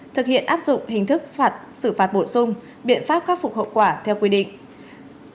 thực hiện áp dụng hình thức phạt xử phạt bổ sung biện pháp khắc phục hậu quả theo quy định